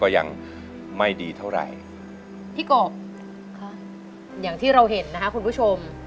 อย่างที่เราเห็นนะคะคุณผู้ชม